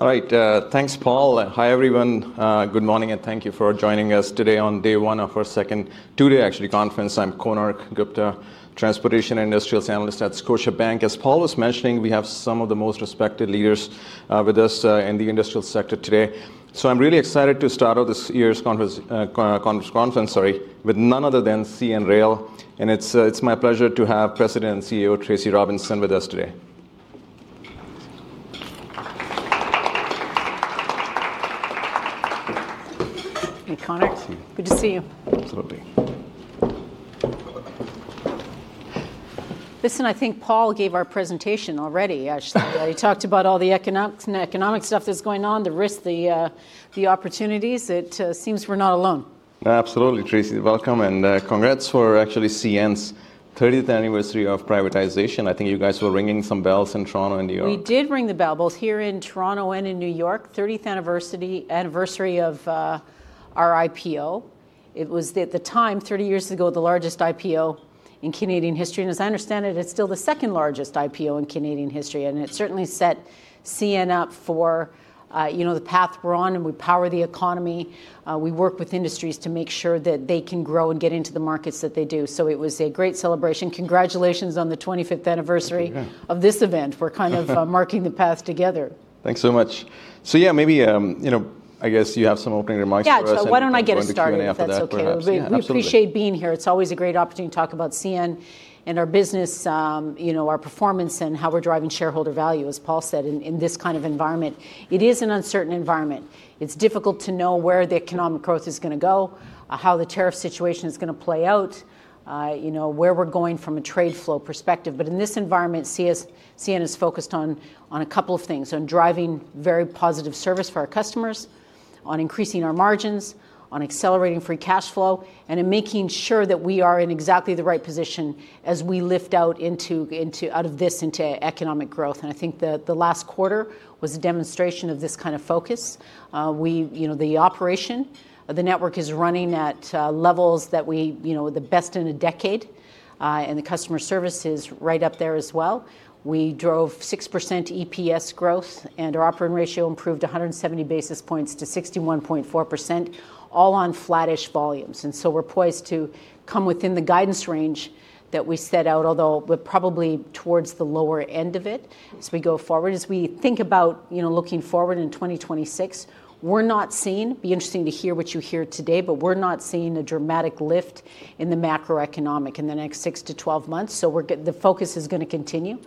All right, thanks, Paul. Hi, everyone. Good morning, and thank you for joining us today on day one of our second, two-day, actually, conference. I'm Konark Gupta, Transportation and Industrials Analyst at Scotiabank. As Paul was mentioning, we have some of the most respected leaders with us in the industrial sector today. I'm really excited to start off this year's conference, sorry, with none other than CN Rail. It's my pleasure to have President and CEO Tracy Robinson with us today. Hey, Konark. Good to see you. Absolutely. Listen, I think Paul gave our presentation already. He talked about all the economics and economic stuff that's going on, the risks, the opportunities. It seems we're not alone. Absolutely, Tracy. Welcome, and congrats for actually CN's 30th anniversary of privatization. I think you guys were ringing some bells in Toronto and New York. We did ring the bell both here in Toronto and in New York, 30th anniversary of our IPO. It was, at the time, 30 years ago, the largest IPO in Canadian history. As I understand it, it is still the second largest IPO in Canadian history. It certainly set CN up for the path we are on, and we power the economy. We work with industries to make sure that they can grow and get into the markets that they do. It was a great celebration. Congratulations on the 25th anniversary of this event. We are kind of marking the past together. Thanks so much. Yeah, maybe, I guess you have some opening remarks for us. Yeah, so why don't I get a start? Twenty seconds after that, please. That's okay. We appreciate being here. It's always a great opportunity to talk about CN and our business, our performance, and how we're driving shareholder value, as Paul said, in this kind of environment. It is an uncertain environment. It's difficult to know where the economic growth is going to go, how the tariff situation is going to play out, where we're going from a trade flow perspective. In this environment, CN is focused on a couple of things: on driving very positive service for our customers, on increasing our margins, on accelerating free cash flow, and in making sure that we are in exactly the right position as we lift out of this into economic growth. I think the last quarter was a demonstration of this kind of focus. The operation, the network is running at levels that we the best in a decade, and the customer service is right up there as well. We drove 6% EPS growth, and our operating ratio improved 170 basis points to 61.4%, all on flattish volumes. We are poised to come within the guidance range that we set out, although we are probably towards the lower end of it as we go forward. As we think about looking forward in 2026, we are not seeing it'd be interesting to hear what you hear today, but we are not seeing a dramatic lift in the macroeconomic in the next six to 12 months. The focus is going to continue.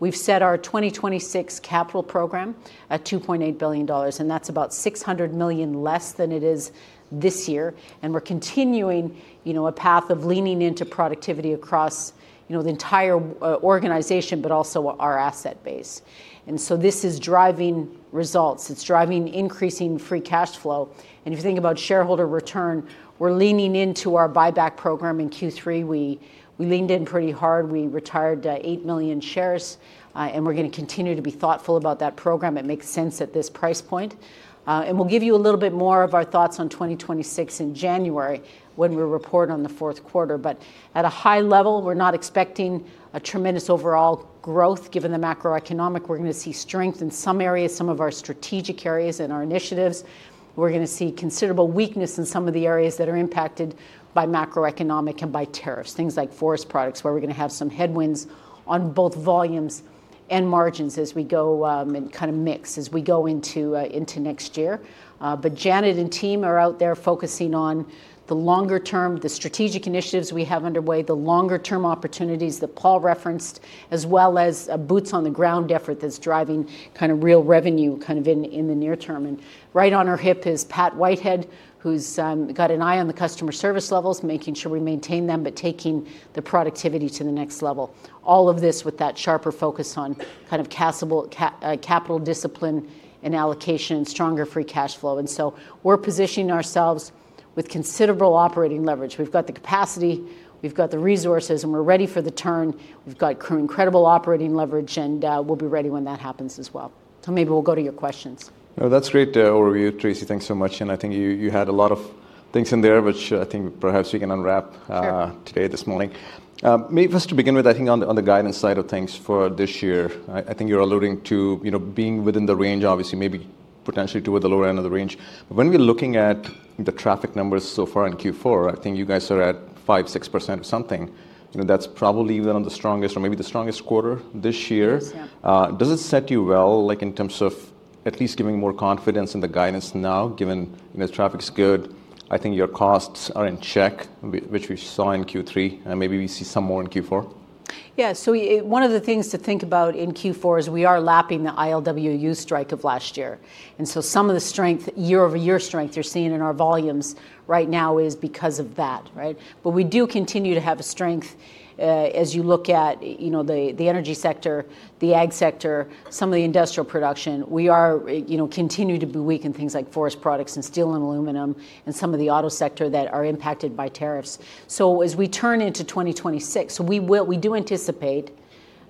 We have set our 2026 capital program at 2.8 billion dollars, and that is about 600 million less than it is this year. We are continuing a path of leaning into productivity across the entire organization, but also our asset base. This is driving results. It is driving increasing free cash flow. If you think about shareholder return, we are leaning into our buyback program in Q3. We leaned in pretty hard. We retired 8 million shares, and we are going to continue to be thoughtful about that program. It makes sense at this price point. We will give you a little bit more of our thoughts on 2026 in January when we report on the fourth quarter. At a high level, we are not expecting a tremendous overall growth. Given the macroeconomic, we are going to see strength in some areas, some of our strategic areas and our initiatives. We're going to see considerable weakness in some of the areas that are impacted by macroeconomic and by tariffs, things like forest products, where we're going to have some headwinds on both volumes and margins as we go and kind of mix as we go into next year. Janet and team are out there focusing on the longer term, the strategic initiatives we have underway, the longer term opportunities that Paul referenced, as well as a boots on the ground effort that's driving kind of real revenue kind of in the near term. Right on our hip is Pat Whitehead, who's got an eye on the customer service levels, making sure we maintain them, but taking the productivity to the next level. All of this with that sharper focus on kind of capital discipline and allocation, stronger free cash flow. We're positioning ourselves with considerable operating leverage. We've got the capacity, we've got the resources, and we're ready for the turn. We've got incredible operating leverage, and we'll be ready when that happens as well. Maybe we'll go to your questions. No, that's great overview, Tracy. Thanks so much. I think you had a lot of things in there, which I think perhaps we can unwrap today this morning. Maybe first to begin with, I think on the guidance side of things for this year, I think you're alluding to being within the range, obviously, maybe potentially to the lower end of the range. When we're looking at the traffic numbers so far in Q4, I think you guys are at 5%, 6% or something. That's probably even on the strongest or maybe the strongest quarter this year. Does it set you well, like in terms of at least giving more confidence in the guidance now, given the traffic is good? I think your costs are in check, which we saw in Q3, and maybe we see some more in Q4. Yeah, so one of the things to think about in Q4 is we are lapping the ILWU strike of last year. Some of the strength, year-over-year strength you're seeing in our volumes right now is because of that, right? We do continue to have strength as you look at the energy sector, the ag sector, some of the industrial production. We continue to be weak in things like forest products and steel and aluminum and some of the auto sector that are impacted by tariffs. As we turn into 2026, we do anticipate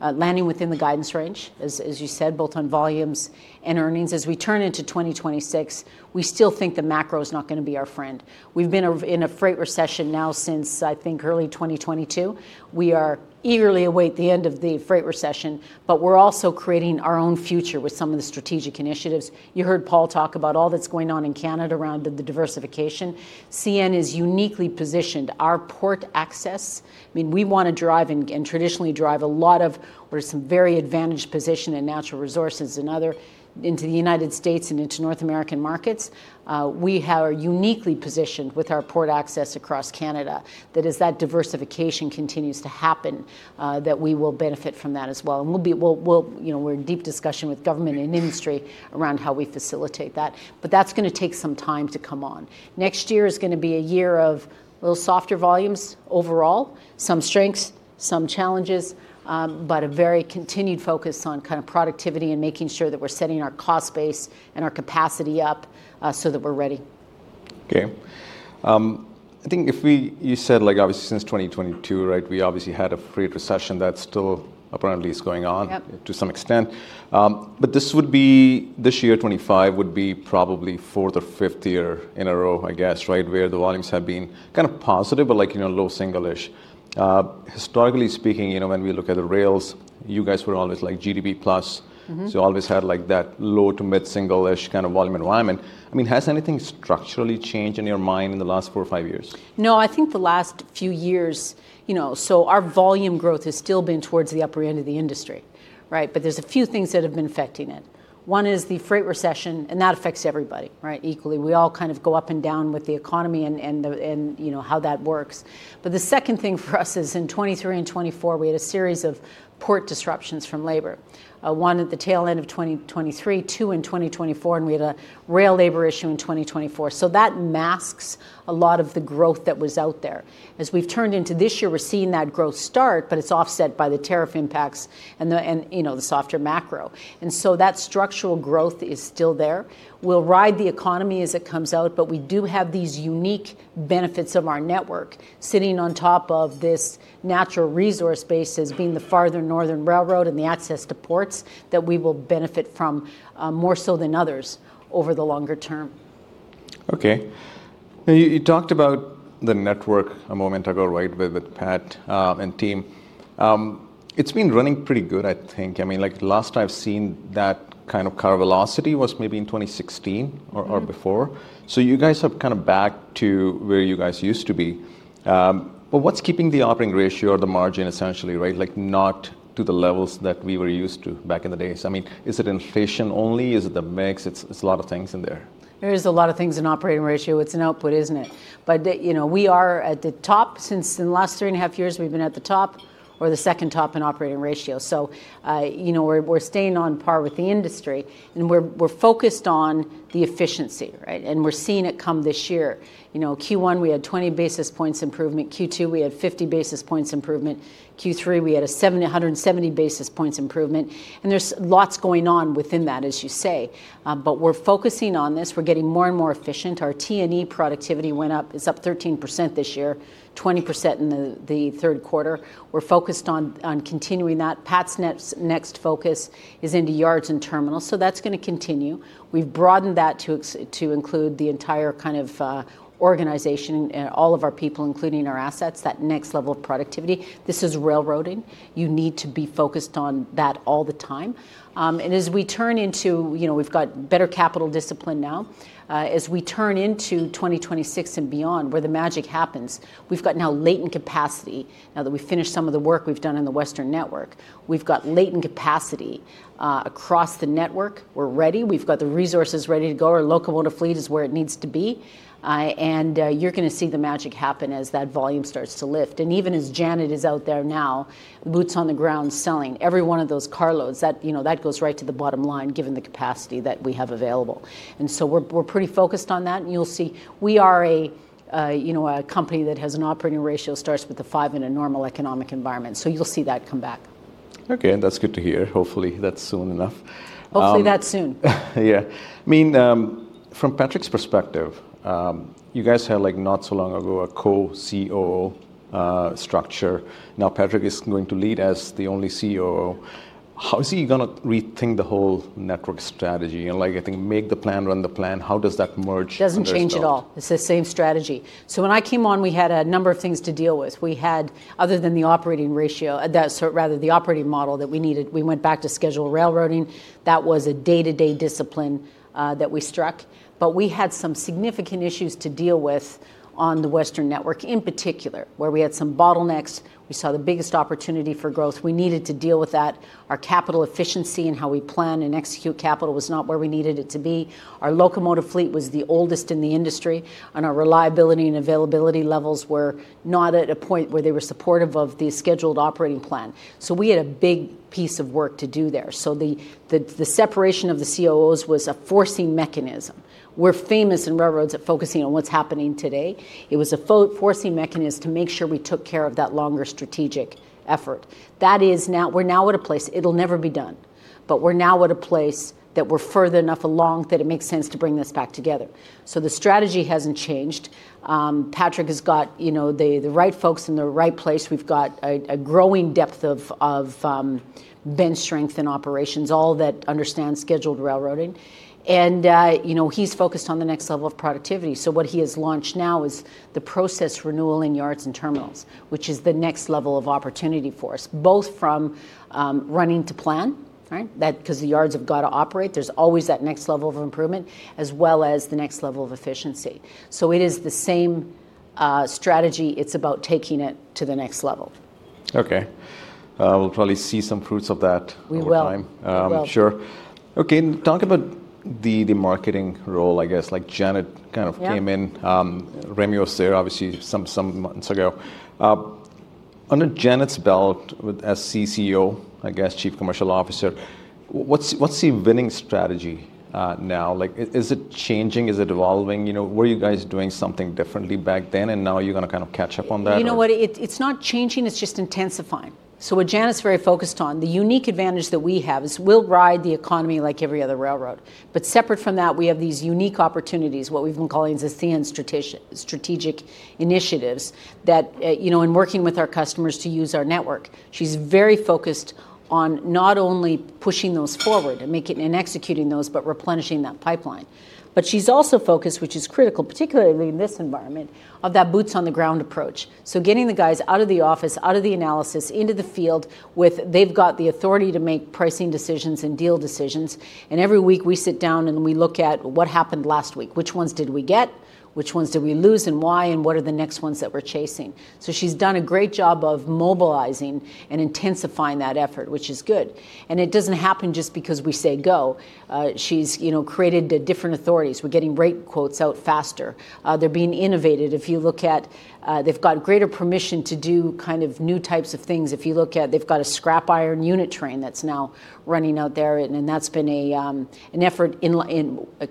landing within the guidance range, as you said, both on volumes and earnings. As we turn into 2026, we still think the macro is not going to be our friend. We've been in a freight recession now since, I think, early 2022. We are eagerly awaiting the end of the freight recession, but we're also creating our own future with some of the strategic initiatives. You heard Paul talk about all that's going on in Canada around the diversification. CN is uniquely positioned. Our port access, I mean, we want to drive and traditionally drive a lot of, we're some very advantaged position in natural resources and other into the United States and into North American markets. We are uniquely positioned with our port access across Canada that as that diversification continues to happen, that we will benefit from that as well. We'll be in deep discussion with government and industry around how we facilitate that. That is going to take some time to come on. Next year is going to be a year of a little softer volumes overall, some strengths, some challenges, but a very continued focus on kind of productivity and making sure that we're setting our cost base and our capacity up so that we're ready. Okay. I think if we, you said, like obviously since 2022, right, we obviously had a freight recession that still apparently is going on to some extent. This would be, this year, 2025, would be probably fourth or fifth year in a row, I guess, right, where the volumes have been kind of positive, but like low single-ish. Historically speaking, when we look at the rails, you guys were always like GDP plus, so always had like that low to mid single-ish kind of volume environment. I mean, has anything structurally changed in your mind in the last four or five years? No, I think the last few years, so our volume growth has still been towards the upper end of the industry, right? There are a few things that have been affecting it. One is the freight recession, and that affects everybody, right, equally. We all kind of go up and down with the economy and how that works. The second thing for us is in 2023 and 2024, we had a series of port disruptions from labor. One at the tail end of 2023, two in 2024, and we had a rail labor issue in 2024. That masks a lot of the growth that was out there. As we have turned into this year, we are seeing that growth start, but it is offset by the tariff impacts and the softer macro. That structural growth is still there. We'll ride the economy as it comes out, but we do have these unique benefits of our network sitting on top of this natural resource base as being the farther northern railroad and the access to ports that we will benefit from more so than others over the longer term. Okay. Now you talked about the network a moment ago, right, with Pat and team. It's been running pretty good, I think. I mean, like last I've seen that kind of curve velocity was maybe in 2016 or before. So you guys are kind of back to where you guys used to be. What's keeping the operating ratio or the margin essentially, right, like not to the levels that we were used to back in the days? I mean, is it inflation only? Is it the mix? It's a lot of things in there. There is a lot of things in operating ratio. It is an output, is it not? We are at the top since in the last three and a half years, we have been at the top or the second top in operating ratio. We are staying on par with the industry, and we are focused on the efficiency, right? We are seeing it come this year. Q1, we had 20 basis points improvement. Q2, we had 50 basis points improvement. Q3, we had a 770 basis points improvement. There is lots going on within that, as you say. We are focusing on this. We are getting more and more efficient. Our T&E productivity went up, is up 13% this year, 20% in the third quarter. We are focused on continuing that. Pat's next focus is into yards and terminals. That is going to continue. We've broadened that to include the entire kind of organization and all of our people, including our assets, that next level of productivity. This is railroading. You need to be focused on that all the time. As we turn into, we've got better capital discipline now. As we turn into 2026 and beyond, where the magic happens, we've got now latent capacity. Now that we've finished some of the work we've done in the Western network, we've got latent capacity across the network. We're ready. We've got the resources ready to go. Our locomotive fleet is where it needs to be. You're going to see the magic happen as that volume starts to lift. Even as Janet is out there now, boots on the ground selling every one of those carloads, that goes right to the bottom line given the capacity that we have available. We're pretty focused on that. You'll see we are a company that has an operating ratio that starts with a five in a normal economic environment. You'll see that come back. Okay. That is good to hear. Hopefully that is soon enough. Hopefully that's soon. Yeah. I mean, from Patrick's perspective, you guys had like not so long ago a co-COO structure. Now Patrick is going to lead as the only COO. How is he going to rethink the whole network strategy and like, I think, make the plan, run the plan? How does that merge? Doesn't change at all. It's the same strategy. When I came on, we had a number of things to deal with. Other than the operating ratio, rather the operating model that we needed, we went back to scheduled railroading. That was a day-to-day discipline that we struck. We had some significant issues to deal with on the Western network in particular, where we had some bottlenecks. We saw the biggest opportunity for growth. We needed to deal with that. Our capital efficiency and how we plan and execute capital was not where we needed it to be. Our locomotive fleet was the oldest in the industry, and our reliability and availability levels were not at a point where they were supportive of the scheduled operating plan. We had a big piece of work to do there. The separation of the COOs was a forcing mechanism. We're famous in railroads at focusing on what's happening today. It was a forcing mechanism to make sure we took care of that longer strategic effort. That is, we're now at a place—it'll never be done—but we're now at a place that we're far enough along that it makes sense to bring this back together. The strategy hasn't changed. Patrick has got the right folks in the right place. We've got a growing depth of bench strength in operations, all that understands scheduled railroading. He's focused on the next level of productivity. What he has launched now is the process renewal in yards and terminals, which is the next level of opportunity for us, both from running to plan, right, because the yards have got to operate. There's always that next level of improvement as well as the next level of efficiency. It is the same strategy. It's about taking it to the next level. Okay. We'll probably see some fruits of that over time. We will. Sure. Okay. Talk about the marketing role, I guess, like Janet kind of came in, Remy was there obviously some months ago. Under Janet's belt as CCO, I guess, Chief Commercial Officer, what's the winning strategy now? Is it changing? Is it evolving? Were you guys doing something differently back then? Now you're going to kind of catch up on that? You know what? It's not changing. It's just intensifying. What Janet's very focused on, the unique advantage that we have is we'll ride the economy like every other railroad. Separate from that, we have these unique opportunities, what we've been calling the CN strategic initiatives that in working with our customers to use our network. She's very focused on not only pushing those forward and executing those, but replenishing that pipeline. She's also focused, which is critical, particularly in this environment, on that boots on the ground approach. Getting the guys out of the office, out of the analysis, into the field where they've got the authority to make pricing decisions and deal decisions. Every week we sit down and we look at what happened last week, which ones did we get, which ones did we lose, and why, and what are the next ones that we're chasing. She has done a great job of mobilizing and intensifying that effort, which is good. It does not happen just because we say go. She has created different authorities. We are getting rate quotes out faster. They are being innovated. If you look at it, they have got greater permission to do kind of new types of things. If you look at it, they have got a scrap iron unit train that is now running out there. That has been an effort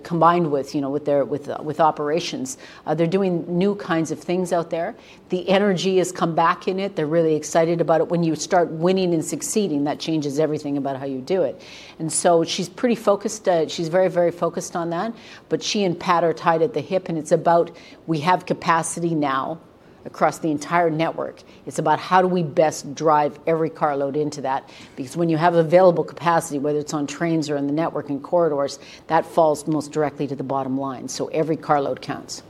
combined with operations. They are doing new kinds of things out there. The energy has come back in it. They are really excited about it. When you start winning and succeeding, that changes everything about how you do it. She is pretty focused. She is very, very focused on that. She and Pat are tied at the hip. It is about we have capacity now across the entire network. It is about how do we best drive every carload into that. Because when you have available capacity, whether it is on trains or in the network and corridors, that falls most directly to the bottom line. Every carload counts.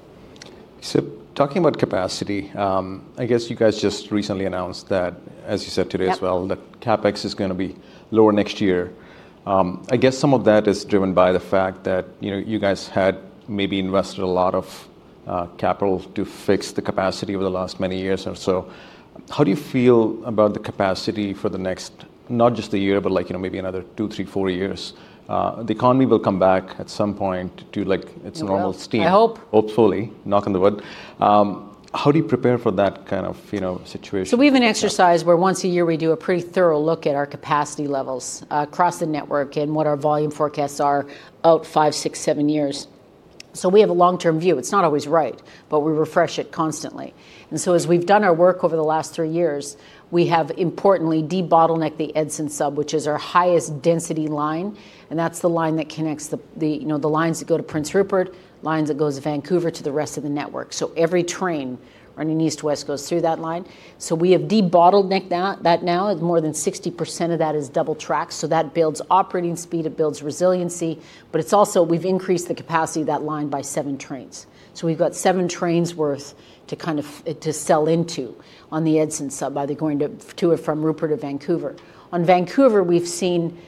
Talking about capacity, I guess you guys just recently announced that, as you said today as well, that CapEx is going to be lower next year. I guess some of that is driven by the fact that you guys had maybe invested a lot of capital to fix the capacity over the last many years or so. How do you feel about the capacity for the next, not just a year, but maybe another two, three, four years? The economy will come back at some point to its normal steam. I hope. Hopefully, knock on wood. How do you prepare for that kind of situation? We have an exercise where once a year we do a pretty thorough look at our capacity levels across the network and what our volume forecasts are out five, six, seven years. We have a long-term view. It's not always right, but we refresh it constantly. As we've done our work over the last three years, we have importantly debottlenecked the Edson Sub, which is our highest density line. That's the line that connects the lines that go to Prince Rupert, lines that go to Vancouver to the rest of the network. Every train running east-west goes through that line. We have debottlenecked that now. More than 60% of that is double track. That builds operating speed. It builds resiliency. We have also increased the capacity of that line by seven trains. We've got seven trains worth to kind of to sell into on the Edson Sub by going to two from Rupert to Vancouver. On Vancouver, we've seen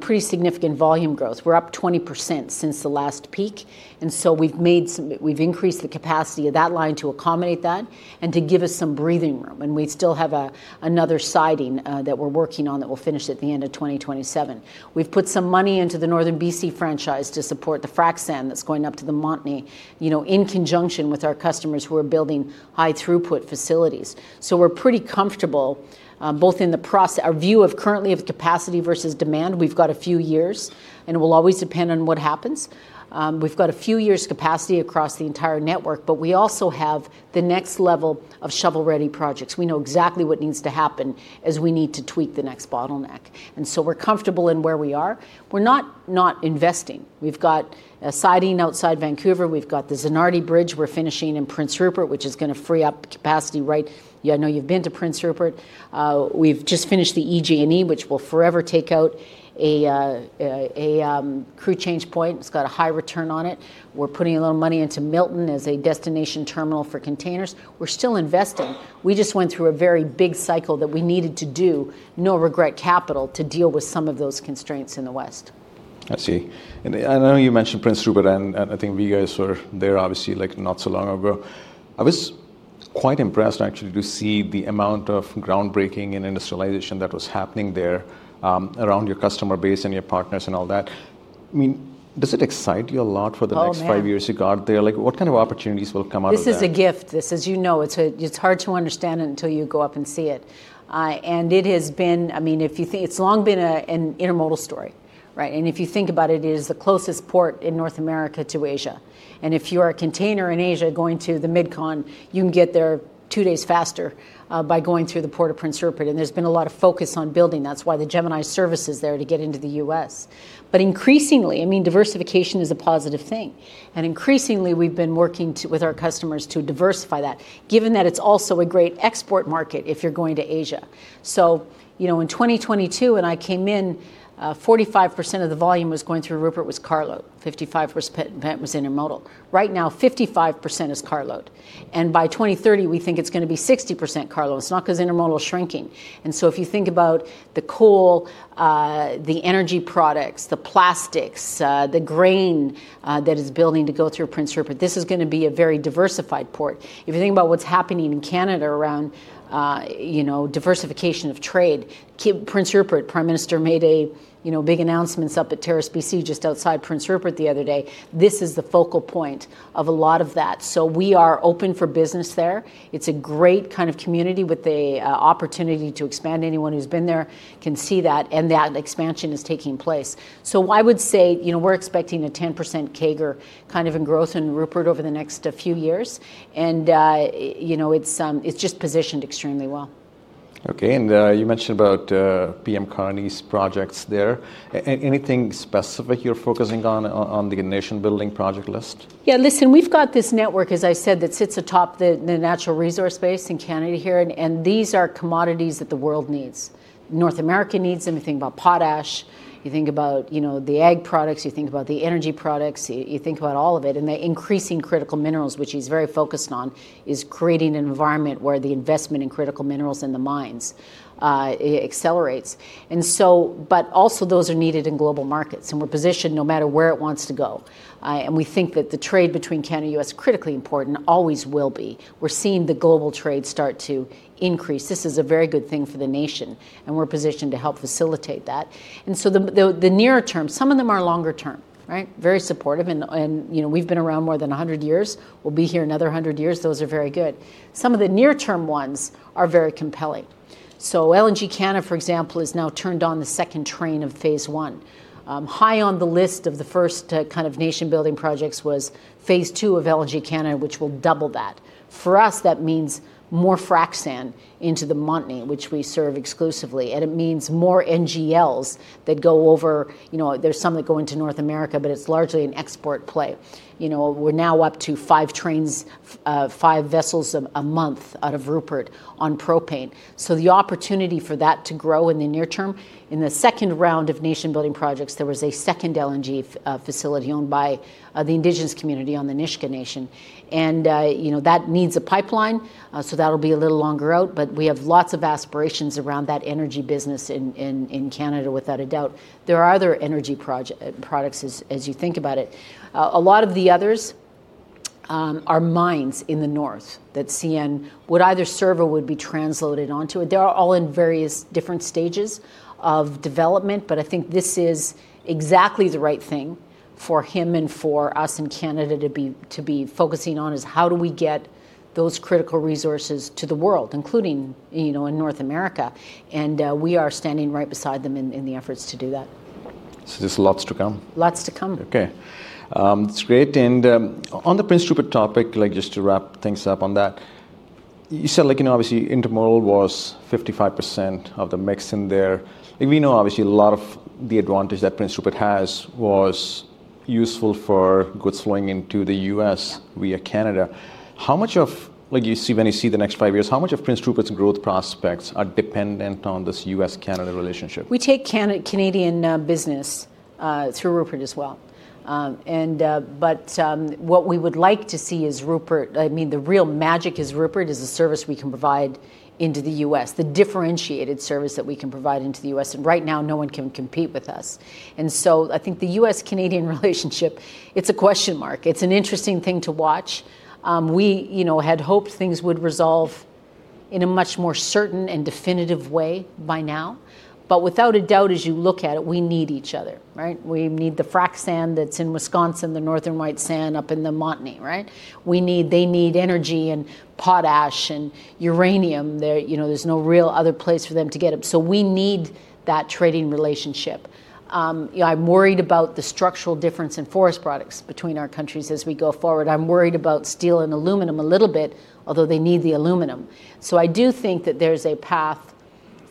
pretty significant volume growth. We're up 20% since the last peak. We've increased the capacity of that line to accommodate that and to give us some breathing room. We still have another siding that we're working on that we'll finish at the end of 2027. We've put some money into the Northern BC franchise to support the frac sand that's going up to the Montney in conjunction with our customers who are building high-throughput facilities. We're pretty comfortable both in the process, our view of currently of capacity versus demand. We've got a few years, and it will always depend on what happens. We've got a few years' capacity across the entire network, but we also have the next level of shovel-ready projects. We know exactly what needs to happen as we need to tweak the next bottleneck. We are comfortable in where we are. We are not investing. We've got a siding outside Vancouver. We've got the Zanardi Bridge. We are finishing in Prince Rupert, which is going to free up capacity, right? I know you've been to Prince Rupert. We've just finished the EG&E, which will forever take out a crew change point. It's got a high return on it. We're putting a little money into Milton as a destination terminal for containers. We're still investing. We just went through a very big cycle that we needed to do no regret capital to deal with some of those constraints in the west. I see. I know you mentioned Prince Rupert, and I think you guys were there obviously not so long ago. I was quite impressed actually to see the amount of groundbreaking and industrialization that was happening there around your customer base and your partners and all that. I mean, does it excite you a lot for the next five years you got there? Like what kind of opportunities will come out of that? This is a gift. As you know, it's hard to understand until you go up and see it. It has been, I mean, if you think, it's long been an intermodal story, right? If you think about it, it is the closest port in North America to Asia. If you are a container in Asia going to the Midcon, you can get there two days faster by going through the Port of Prince Rupert. There has been a lot of focus on building. That's why the Gemini service is there to get into the U.S.. Increasingly, I mean, diversification is a positive thing. Increasingly, we've been working with our customers to diversify that, given that it's also a great export market if you're going to Asia. In 2022, when I came in, 45% of the volume going through Rupert was carload. 55% was intermodal. Right now, 55% is carload. And by 2030, we think it's going to be 60% carload. It's not because intermodal is shrinking. If you think about the coal, the energy products, the plastics, the grain that is building to go through Prince Rupert, this is going to be a very diversified port. If you think about what's happening in Canada around diversification of trade, Prince Rupert, Prime Minister made big announcements up at Terrace, British Columbia just outside Prince Rupert the other day. This is the focal point of a lot of that. We are open for business there. It's a great kind of community with the opportunity to expand. Anyone who's been there can see that, and that expansion is taking place. I would say we're expecting a 10% CAGR kind of in growth in Rupert over the next few years. It is just positioned extremely well. Okay. You mentioned about PM Carney's projects there. Anything specific you're focusing on on the nation-building project list? Yeah. Listen, we've got this network, as I said, that sits atop the natural resource base in Canada here. And these are commodities that the world needs. North America needs them. You think about potash. You think about the ag products. You think about the energy products. You think about all of it. The increasing critical minerals, which he's very focused on, is creating an environment where the investment in critical minerals and the mines accelerates. Also, those are needed in global markets. We're positioned no matter where it wants to go. We think that the trade between Canada and the U.S. is critically important and always will be. We're seeing the global trade start to increase. This is a very good thing for the nation. We're positioned to help facilitate that. The nearer term, some of them are longer term, right? Very supportive. We have been around more than 100 years. We will be here another 100 years. Those are very good. Some of the near-term ones are very compelling. LNG Canada, for example, has now turned on the second train of phase I. High on the list of the first kind of nation-building projects was phase II of LNG Canada, which will double that. For us, that means more Northern White Sand into the Montney, which we serve exclusively. It means more NGLs that go over. There are some that go into North America, but it is largely an export play. We are now up to five trains, five vessels a month out of Rupert on propane. The opportunity for that to grow in the near term. In the second round of nation-building projects, there was a second LNG facility owned by the Indigenous community on the Nisga'a Nation. That needs a pipeline. That will be a little longer out. We have lots of aspirations around that energy business in Canada, without a doubt. There are other energy products as you think about it. A lot of the others are mines in the north that CN would either serve or would be translated onto it. They are all in various different stages of development. I think this is exactly the right thing for him and for us in Canada to be focusing on, which is how do we get those critical resources to the world, including in North America. We are standing right beside them in the efforts to do that. There's lots to come. Lots to come. Okay. That's great. On the Prince Rupert topic, just to wrap things up on that, you said obviously intermodal was 55% of the mix in there. We know obviously a lot of the advantage that Prince Rupert has was useful for goods flowing into the U.S. via Canada. How much of, when you see the next five years, how much of Prince Rupert's growth prospects are dependent on this U.S.-Canada relationship? We take Canadian business through Rupert as well. What we would like to see is Rupert, I mean, the real magic is Rupert is a service we can provide into the U.S., the differentiated service that we can provide into the U.S. Right now, no one can compete with us. I think the U.S.-Canadian relationship, it's a question mark. It's an interesting thing to watch. We had hoped things would resolve in a much more certain and definitive way by now. Without a doubt, as you look at it, we need each other, right? We need the frac sand that's in Wisconsin, the Northern White Sand up in the Montney, right? They need energy and potash and uranium. There's no real other place for them to get it. We need that trading relationship. I'm worried about the structural difference in forest products between our countries as we go forward. I'm worried about steel and aluminum a little bit, although they need the aluminum. I do think that there's a path.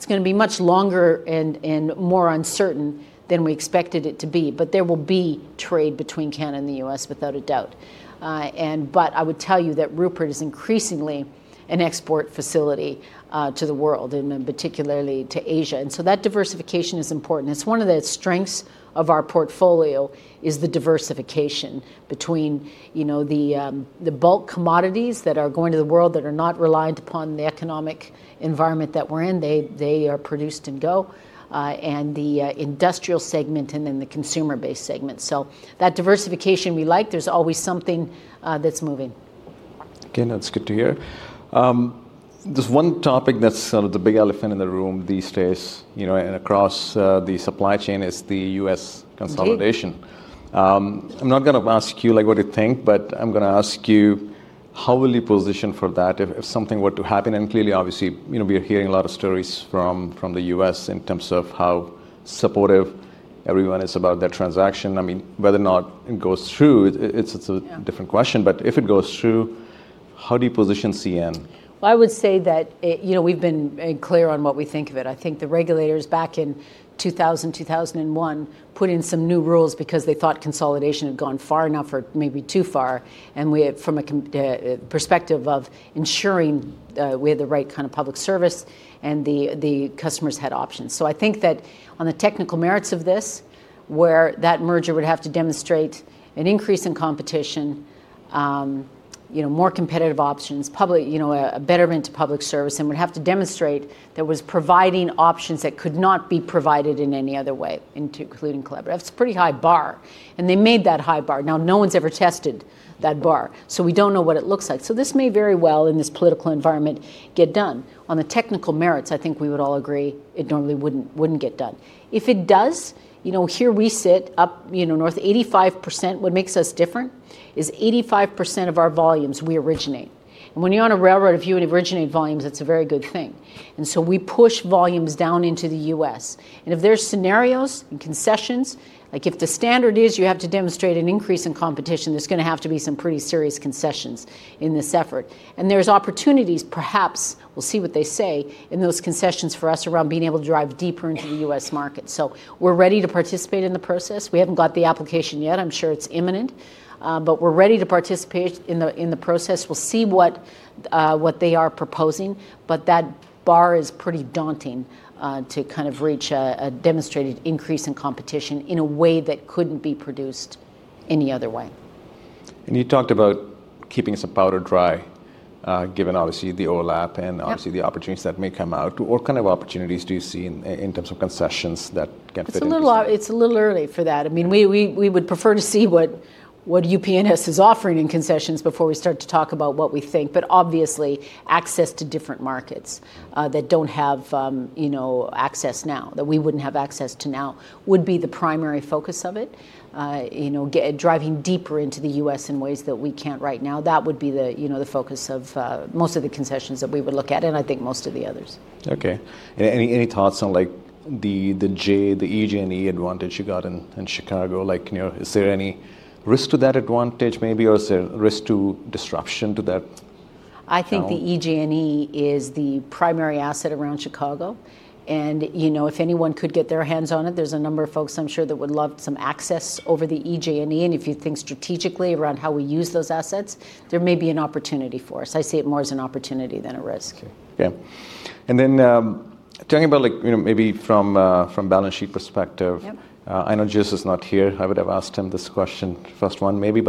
It's going to be much longer and more uncertain than we expected it to be. There will be trade between Canada and the U.S., without a doubt. I would tell you that Rupert is increasingly an export facility to the world and particularly to Asia. That diversification is important. It's one of the strengths of our portfolio, the diversification between the bulk commodities that are going to the world that are not reliant upon the economic environment that we're in. They are produced and go. And the industrial segment and then the consumer-based segment. That diversification we like, there's always something that's moving. Again, that's good to hear. There's one topic that's sort of the big elephant in the room these days and across the supply chain is the U.S. consolidation. I'm not going to ask you what you think, but I'm going to ask you how will you position for that if something were to happen? Clearly, obviously, we are hearing a lot of stories from the U.S. in terms of how supportive everyone is about their transaction. I mean, whether or not it goes through, it's a different question. If it goes through, how do you position CN? I would say that we've been clear on what we think of it. I think the regulators back in 2000, 2001 put in some new rules because they thought consolidation had gone far enough or maybe too far. From a perspective of ensuring we had the right kind of public service and the customers had options. I think that on the technical merits of this, where that merger would have to demonstrate an increase in competition, more competitive options, a betterment to public service, and would have to demonstrate that was providing options that could not be provided in any other way, including collaborative. That's a pretty high bar. They made that high bar. No one's ever tested that bar. We don't know what it looks like. This may very well in this political environment get done. On the technical merits, I think we would all agree it normally would not get done. If it does, here we sit up north. 85%, what makes us different is 85% of our volumes we originate. When you are on a railroad, if you originate volumes, it is a very good thing. We push volumes down into the U.S.. If there are scenarios and concessions, like if the standard is you have to demonstrate an increase in competition, there is going to have to be some pretty serious concessions in this effort. There are opportunities, perhaps, we will see what they say in those concessions for us around being able to drive deeper into the U.S. market. We are ready to participate in the process. We have not got the application yet. I am sure it is imminent. We are ready to participate in the process. We will see what they are proposing. That bar is pretty daunting to kind of reach a demonstrated increase in competition in a way that could not be produced any other way. You talked about keeping some powder dry, given obviously the overlap and obviously the opportunities that may come out. What kind of opportunities do you see in terms of concessions that can fit in? It's a little early for that. I mean, we would prefer to see what UP and NS is offering in concessions before we start to talk about what we think. Obviously, access to different markets that do not have access now, that we would not have access to now, would be the primary focus of it, driving deeper into the U.S. in ways that we cannot right now. That would be the focus of most of the concessions that we would look at, and I think most of the others. Okay. Any thoughts on the EG&E advantage you got in Chicago? Is there any risk to that advantage maybe, or is there risk to disruption to that? I think the EG&E is the primary asset around Chicago. If anyone could get their hands on it, there's a number of folks I'm sure that would love some access over the EG&E. If you think strategically around how we use those assets, there may be an opportunity for us. I see it more as an opportunity than a risk. Okay. Yeah. Talking about maybe from a balance sheet perspective, I know Jill is not here. I would have asked him this question, first one maybe.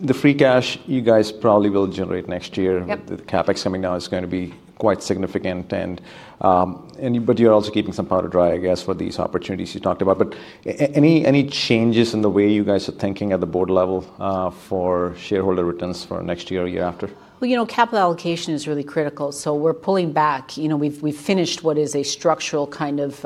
The free cash you guys probably will generate next year, the CapEx coming now is going to be quite significant. You are also keeping some powder dry, I guess, for these opportunities you talked about. Any changes in the way you guys are thinking at the board level for shareholder returns for next year or year after? Capital allocation is really critical. We are pulling back. We have finished what is a structural kind of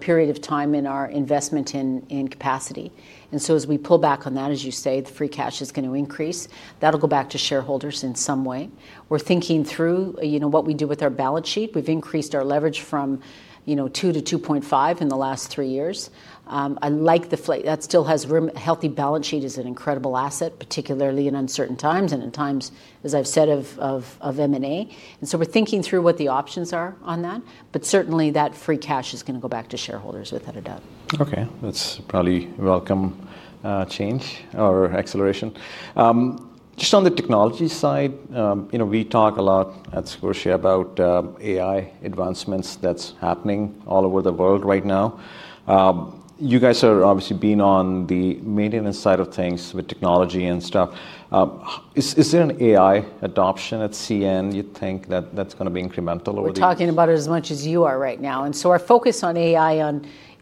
period of time in our investment in capacity. As we pull back on that, as you say, the free cash is going to increase. That will go back to shareholders in some way. We are thinking through what we do with our balance sheet. We have increased our leverage from 2 to 2.5 in the last three years. I like the flight. That still has room. Healthy balance sheet is an incredible asset, particularly in uncertain times and in times, as I have said, of M&A. We are thinking through what the options are on that. Certainly, that free cash is going to go back to shareholders, without a doubt. Okay. That's probably a welcome change or acceleration. Just on the technology side, we talk a lot at Scotia about AI advancements that's happening all over the world right now. You guys are obviously being on the maintenance side of things with technology and stuff. Is there an AI adoption at CN? You think that that's going to be incremental over the year? We're talking about it as much as you are right now. Our focus on AI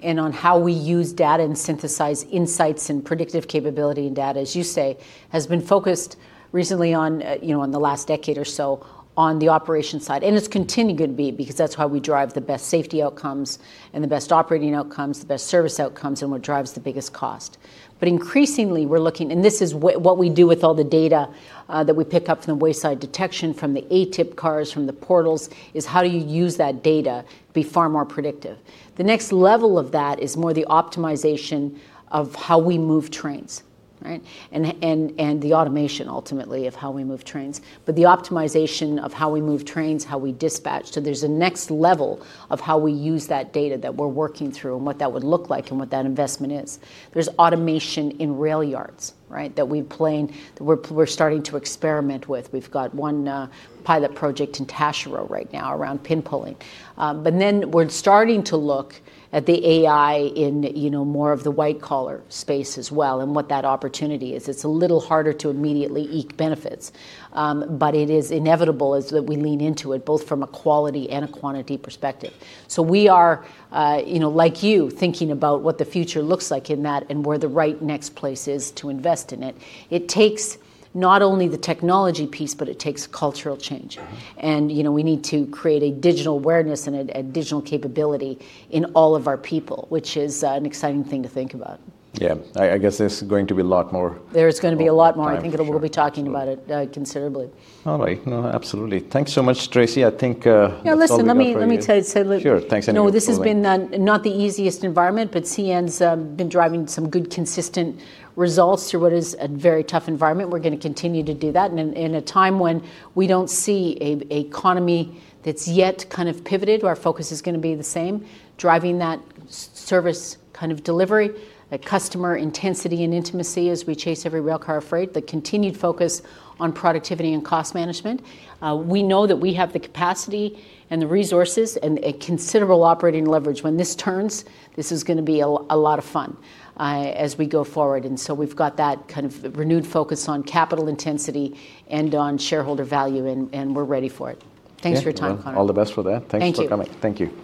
and on how we use data and synthesize insights and predictive capability and data, as you say, has been focused recently, in the last decade or so, on the operation side. It is continuing to be because that is how we drive the best safety outcomes and the best operating outcomes, the best service outcomes, and what drives the biggest cost. Increasingly, we are looking, and this is what we do with all the data that we pick up from the wayside detection, from the A-TIP cars, from the portals, is how do you use that data to be far more predictive? The next level of that is more the optimization of how we move trains, right? The automation, ultimately, of how we move trains. The optimization of how we move trains, how we dispatch. There is a next level of how we use that data that we are working through and what that would look like and what that investment is. There is automation in rail yards, right, that we are starting to experiment with. We have one pilot project in Tashiro right now around pin pulling. We are starting to look at the AI in more of the white-collar space as well and what that opportunity is. It is a little harder to immediately eke benefits. It is inevitable as we lean into it, both from a quality and a quantity perspective. We are, like you, thinking about what the future looks like in that and where the right next place is to invest in it. It takes not only the technology piece, but it takes cultural change. We need to create a digital awareness and a digital capability in all of our people, which is an exciting thing to think about. Yeah. I guess there's going to be a lot more. There's going to be a lot more. I think we'll be talking about it considerably. All right. Absolutely. Thanks so much, Tracy. I think. Yeah. Listen, let me tell you. Sure. Thanks. No, this has been not the easiest environment, but CN's been driving some good consistent results through what is a very tough environment. We are going to continue to do that. In a time when we do not see an economy that has yet kind of pivoted, our focus is going to be the same, driving that service kind of delivery, customer intensity and intimacy as we chase every rail car of freight, the continued focus on productivity and cost management. We know that we have the capacity and the resources and a considerable operating leverage. When this turns, this is going to be a lot of fun as we go forward. We have that kind of renewed focus on capital intensity and on shareholder value, and we are ready for it. Thanks for your time, Connor. All the best for that. Thanks for coming. Thank you. Thank you.